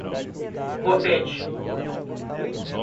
Bofete